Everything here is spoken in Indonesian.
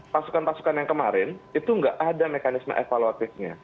pasukan pasukan yang kemarin itu nggak ada mekanisme evaluatifnya